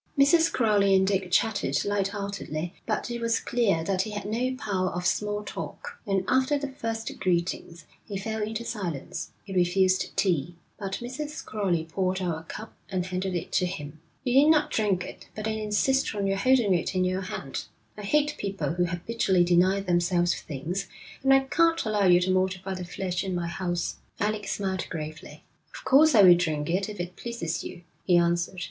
Mrs. Crowley and Dick chattered light heartedly, but it was clear that he had no power of small talk, and after the first greetings he fell into silence; he refused tea, but Mrs. Crowley poured out a cup and handed it to him. 'You need not drink it, but I insist on your holding it in your hand. I hate people who habitually deny themselves things, and I can't allow you to mortify the flesh in my house.' Alec smiled gravely. 'Of course I will drink it if it pleases you,' he answered.